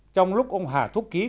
trong lúc ông hà thúc ký còn sống